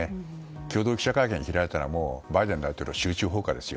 共同記者会見開いたらもうバイデン大統領集中砲火ですよ。